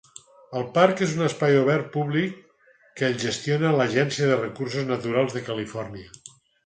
El parc és un espai obert públic que el gestiona l'Agència de Recursos Naturals de Califòrnia.